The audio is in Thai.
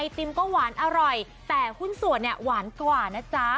ติมก็หวานอร่อยแต่หุ้นส่วนเนี่ยหวานกว่านะจ๊ะ